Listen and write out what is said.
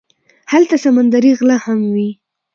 هلته سمندري غله هم وي.